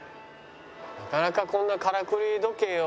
なかなかこんなからくり時計を。